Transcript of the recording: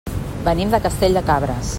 Venim de Castell de Cabres.